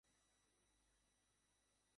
সব চেয়ে বড়ো কথা হচ্ছে, একটা তেজ থাকা চাই তো।